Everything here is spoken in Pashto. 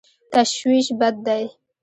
تشویش بد دی.